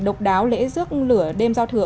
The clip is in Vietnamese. độc đáo lễ rước lửa đêm giao thừa